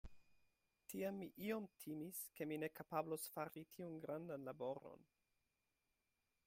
Tiam mi iom timis, ke mi ne kapablos fari tiun grandan laboron.